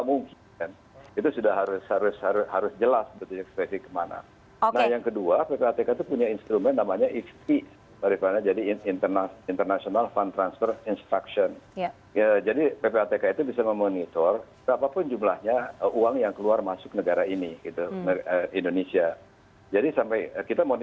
untuk mendapatkan informasi terbaru dari kami